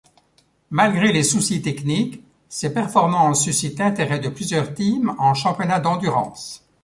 Malgré les soucis techniques, ses performances suscitent l'intérêt de plusieurs Teams en championnat d'Endurance.